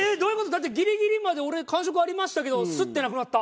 だってギリギリまで俺感触ありましたけどスッてなくなった。